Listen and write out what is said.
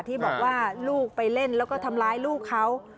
ที่บอกว่าลูกไปเล่นแล้วก็ทำร้ายลูกเขา